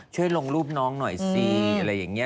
ช่วยลงรูปน้องหน่อยสิอะไรอย่างนี้